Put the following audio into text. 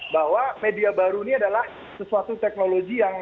bahwa media baru ini adalah sesuatu teknologi yang